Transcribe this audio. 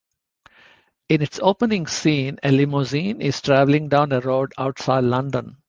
In its opening scene a limousine is traveling down a road outside London.